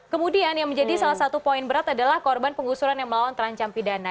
kemudian yang menjadi salah satu poin berat adalah korban penggusuran yang melawan terancam pidana